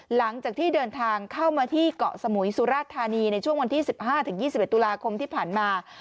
หลังจากที่เดินทางเข้ามาที่เกาะสมุยสุราชธานีในช่วงวันที่๑๕๒๑ตุลาคมที่ผ่านมา